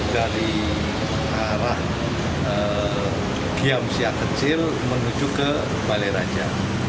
dari arah diam siak kecil menuju ke balai raja